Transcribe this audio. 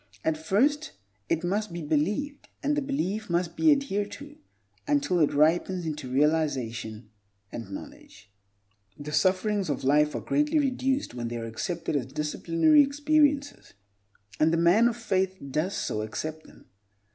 At first it must be believed, and the belief must be adhered to, until it ripens into realization and knowledge. The sufferings of life are greatly reduced when they are accepted as disciplinary experiences, and the man of faith does so accept them.